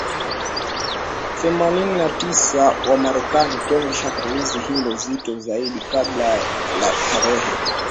themanini na tisa wa Marekani kwenye shambulizi hilo zito zaidi kabla ya la tarehe